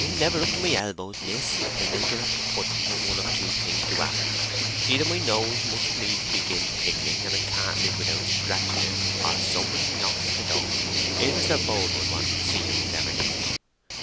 "I am never up to my elbows, Miss, in making a pudding but one of two things do happen—either my nose must needs begin tickling, and I can't live without scratching it, or somebody knocks at the door. Here's Mr. Boldwood wanting to see you, Miss Everdene."